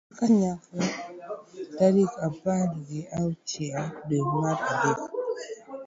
chokruok mar kanyakla tarik apar gi auchiel dwe mar adek